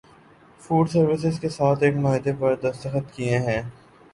food services کے ساتھ ایک معاہدے پر دستخط کیے ہیں